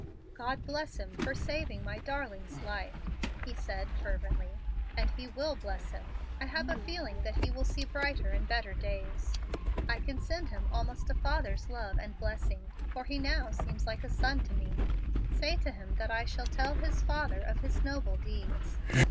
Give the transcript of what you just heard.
"God bless him for saving my darling's life!" he said, fervently; "and He will bless him. I have a feeling that he will see brighter and better days. I can send him almost a father's love and blessing, for he now seems like a son to me. Say to him that I shall tell his father of his noble deeds.